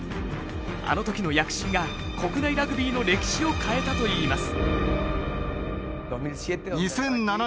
あの時の躍進が国内ラグビーの歴史を変えたといいます。